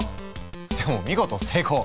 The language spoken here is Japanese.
でも見事成功！